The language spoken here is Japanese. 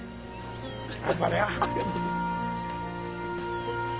頑張れよ。